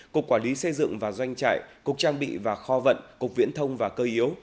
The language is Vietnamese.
cục quản lý xây dựng và doanh trại cục trang bị và kho vận cục viễn thông và cơ yếu